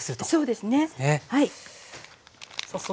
そうです。